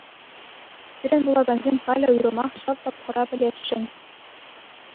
Пирӗн вулакансем халӗ уйрӑмах ҫав тапхӑра пӗлесшӗн.